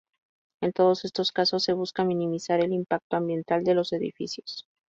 En todos estos casos se busca minimizar el impacto ambiental de los edificios.